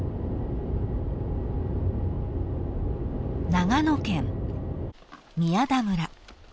［長野県宮田村］